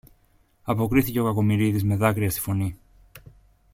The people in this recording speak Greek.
αποκρίθηκε ο Κακομοιρίδης με δάκρυα στη φωνή.